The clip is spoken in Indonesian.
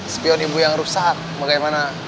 spion ibu yang rusak bagaimana